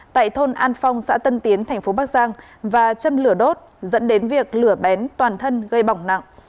tại thôn an phong xã tân tiến thành phố bắc giang và châm lửa đốt dẫn đến việc lửa bén toàn thân gây bỏng nặng